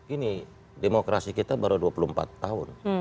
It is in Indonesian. ini demokrasi kita baru dua puluh empat tahun